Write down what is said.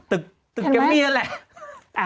ถึงตุกแก้มปิ้นนี่แหละ